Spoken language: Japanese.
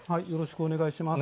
お願いします。